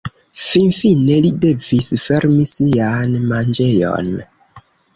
Finfine li devis fermi sian manĝejon.